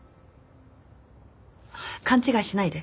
勘違いしないで。